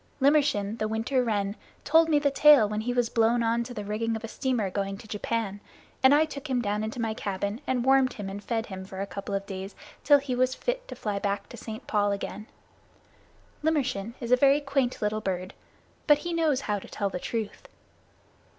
Limmershin, the Winter Wren, told me the tale when he was blown on to the rigging of a steamer going to Japan, and I took him down into my cabin and warmed and fed him for a couple of days till he was fit to fly back to St. Paul's again. Limmershin is a very quaint little bird, but he knows how to tell the truth.